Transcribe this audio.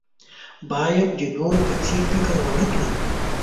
باید د نورو په څېر فکر ونه کړئ.